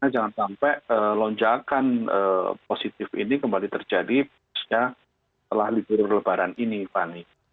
jangan sampai lonjakan positif ini kembali terjadi setelah libur lebaran ini fani